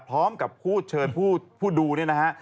พร้อมกับผู้เชิญผู้ดูนะฮะ